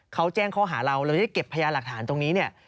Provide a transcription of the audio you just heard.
เขาแจ้งข้อหาเราเราจะได้เก็บพยานหลักฐานตรงนี้เนี่ย